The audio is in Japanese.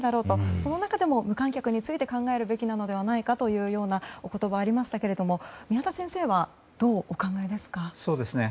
その中でも無観客について考えるべきではないかというお言葉がありましたが宮田先生はどうお考えですか？